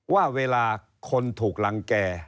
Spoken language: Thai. ว่าเวลาคนถูกรังแก่